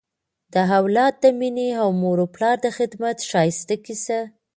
د اولاد د مینې او مور و پلار د خدمت ښایسته کیسه